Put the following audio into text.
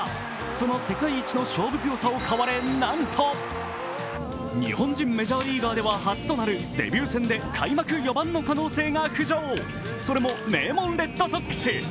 その世界一の勝負強さを買われ、なんと日本人メジャーリーガーでは初となるデビュー戦で開幕４番の可能性が浮上それも名門・レッドソックス。